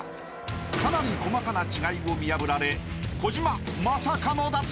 ［かなり細かな違いを見破られ小島まさかの脱落］